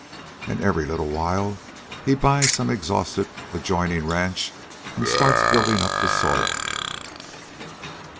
And every little while he buys some exhausted adjoining ranch and starts building up the soil."